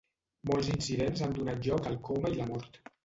Molts incidents han donat lloc al coma i la mort.